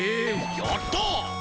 やった！